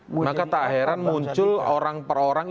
maka tak heran muncul orang per orang